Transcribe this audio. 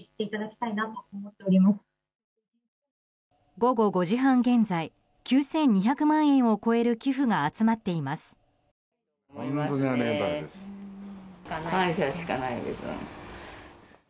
午後５時半現在９２００万円を超える寄付が集まっています。